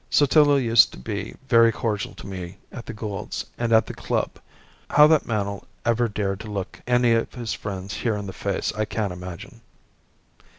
Sotillo used to be very cordial to me at the Goulds' and at the club. How that man'll ever dare to look any of his friends here in the face I can't imagine."